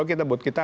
kita buat kita